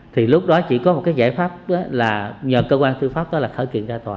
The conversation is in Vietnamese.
thì lúc đó chỉ có một cái giải pháp là nhờ cơ quan tư pháp đó là khởi kiện ra tòa